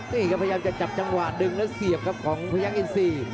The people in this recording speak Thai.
นี่ครับพยายามจะจับจังหวะดึงแล้วเสียบครับของพยักษอินซี